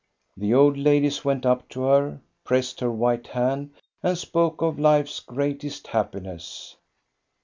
The old ladies went up to her, pressed her white hand, and spoke of life's greatest happiness.